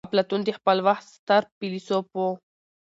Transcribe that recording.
اپلاتون د خپل وخت ستر فيلسوف وو.